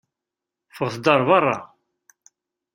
Ffɣet-d ar beṛṛa!